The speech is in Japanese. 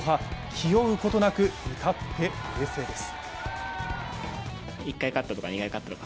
気負うことなく、至って冷静です。